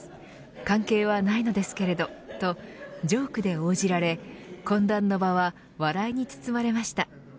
関係はないのですけれどとジョークで応じられ懇談の場は笑いに包まれました。